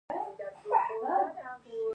مزارشریف د افغانستان د هیوادوالو لپاره ویاړ دی.